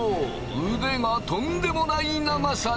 腕がとんでもない長さに！